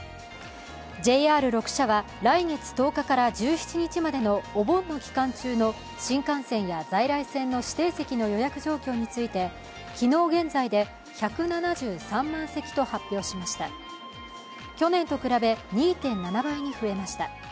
ＪＲ６社は来月１０日から１７日までのお盆の期間中の新幹線や在来線の指定席の予約状況について昨日現在で１７３万席と発表しました去年と比べ、２．７倍に増えました。